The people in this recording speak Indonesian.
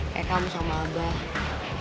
kayak kamu sama abah